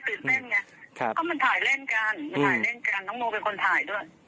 เพราะมันถ่ายเล่นกันน้องโน่เป็นคนถ่ายด้วย